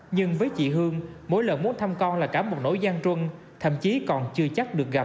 nhưng với chị hương mỗi lần muốn thăm con là cả một nỗi gian ruân thậm chí còn chưa chắc được gặp